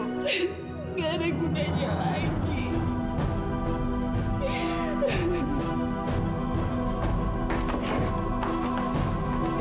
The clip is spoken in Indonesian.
nggak ada gunanya lagi